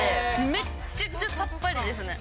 めっちゃくちゃさっぱりですね。